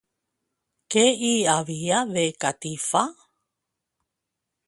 Què hi havia de catifa?